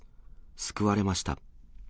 救われました。